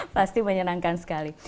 pasti menyenangkan sekali